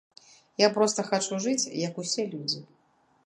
Я проста хачу жыць, як усе людзі.